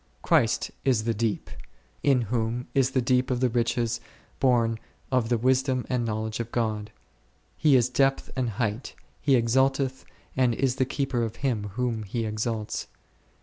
Christ is the deep, in whom is the depth of the riches both of the wisdom and knowledge of God : He is depth and height ; He exalteth and is the Keeper of him whom He exalts.